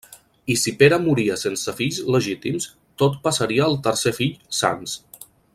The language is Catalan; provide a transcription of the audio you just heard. I si Pere moria sense fills legítims, tot passaria al tercer fill Sanç.